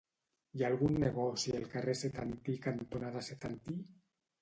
Hi ha algun negoci al carrer Setantí cantonada Setantí?